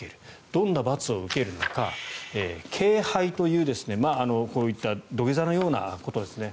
どんな罰を受けるのか敬拝というこういった土下座のようなことですね。